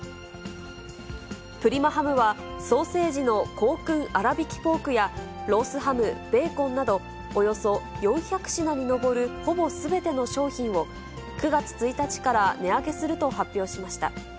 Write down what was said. プリマハムは、ソーセージの香薫あらびきポークや、ロースハム、ベーコンなど、およそ４００品に上るほぼすべての商品を、９月１日から値上げすると発表しました。